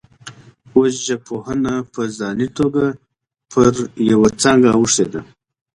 وژژبپوهنه په ځاني توګه پر یوه څانګه اوښتې ده